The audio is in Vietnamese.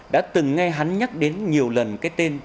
đã từng nghe hắn nhắc đến nhiều lần cái tên